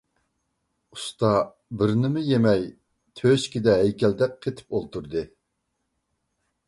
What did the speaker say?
ئۇستا بىرنىمۇ يېمەي، تۆشىكىدە ھەيكەلدەك قېتىپ ئولتۇردى.